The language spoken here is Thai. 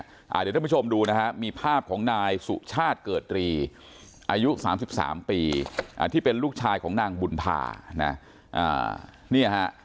เดี๋ยวท่านผู้ชมดูนะฮะมีภาพของนายสุชาติเกิดรีอายุ๓๓ปีที่เป็นลูกชายของนางบุญภานะ